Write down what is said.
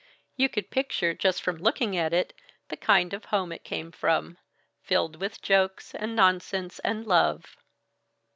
You could picture, just from looking at it, the kind of home that it came from, filled with jokes and nonsense and love.